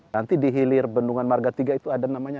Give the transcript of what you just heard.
nanti di hilir bendungan marga tiga itu ada namanya